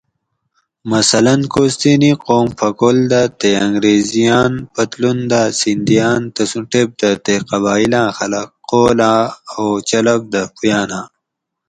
مثلاً کوستینی قوم پھکول دہ تے انگریزیاں پتلوں دہ سیندیاۤن تسوں ٹیپ دہ تے قبائلاں خلق قولاۤ او چلپ دہ پویاۤناۤں